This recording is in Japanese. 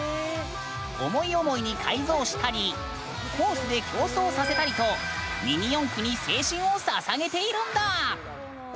思い思いに改造したりコースで競争させたりとミニ四駆に青春をささげているんだ！